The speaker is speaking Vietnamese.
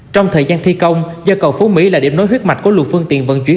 trong thời gian thi công do cầu phú mỹ là điểm nối huyết mạch của lục phương tiện vận chuyển